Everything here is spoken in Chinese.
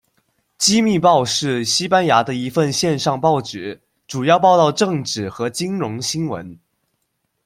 机密报是西班牙的一份线上报纸，主要报道政治和金融新闻。